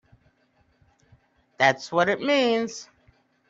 That's what it means!